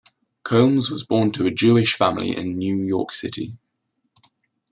Colmes was born to a Jewish family in New York City.